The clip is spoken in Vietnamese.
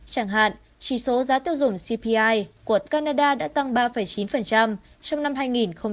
chẳng hạn trí số giá tiêu dùng cpi của canada đã tăng ba chín trong năm hai nghìn hai mươi ba